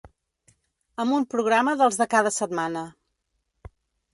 Amb un programa dels de cada setmana.